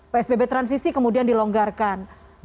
psbb transisi kemudian dilonggarkan